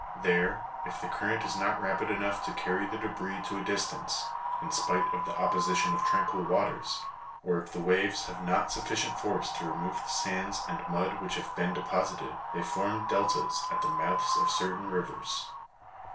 There, if the current is not rapid enough to carry the debris to a distance, in spite of the opposition of tranquil waters, or if the waves have not sufficient force to remove the sands and mud which have been deposited; they form deltas at the mouths of certain rivers (see page 16).